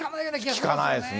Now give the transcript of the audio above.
聞かないですね。